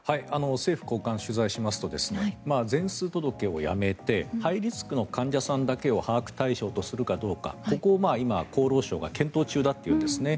政府高官に取材しますと全数届をやめてハイリスクの患者さんだけを把握対象とするかどうかを今、厚労省が検討中だというんですね。